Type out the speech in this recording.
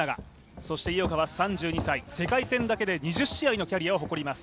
そして井岡は３２歳、世界戦だけで２０戦のキャリアを誇ります。